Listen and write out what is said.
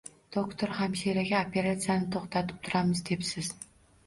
Doktor, hamshiraga operasiyani to`xtatib turamiz, debsiz